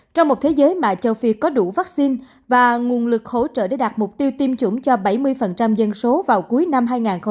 trong một thế giới mà châu phi có đủ vaccine và nguồn lực hỗ trợ để đạt mục tiêu tiêm chủng cho bảy mươi dân số vào cuối năm hai nghìn hai mươi